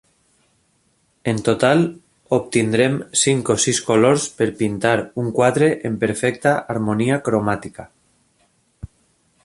En total obtindrem cinc o sis colors per pintar un quadre en perfecta harmonia cromàtica.